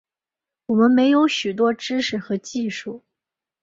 我们没有许多知识和技术